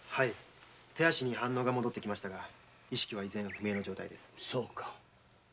手足に反応は戻りましたが意識は依然不明の状態です。